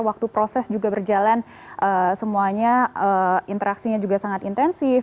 waktu proses juga berjalan semuanya interaksinya juga sangat intensif